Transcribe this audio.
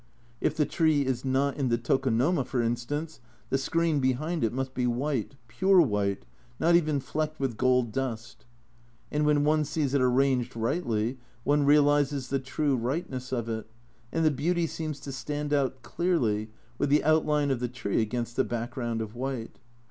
If the tree is not in the tokonomo, for instance, the screen behind it must be white, pure white, not even flecked with gold dust And when one sees it arranged rightly, one realises the true Tightness of it, and the beauty seems to stand out clearly, with the outline of the tree against the background of white.